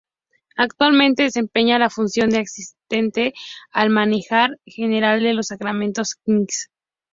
Actualmente desempeña la función de asistente al manager general de los Sacramento Kings.